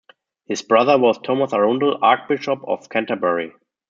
His brother was Thomas Arundel, Archbishop of Canterbury.